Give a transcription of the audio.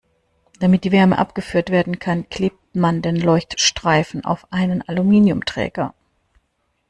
Damit die Wärme abgeführt werden kann, klebt man den Leuchtstreifen auf einen Aluminiumträger.